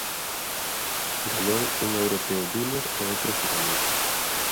Gañou un Europeo júnior e outro xuvenil.